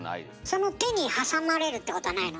その手に挟まれるってことはないの？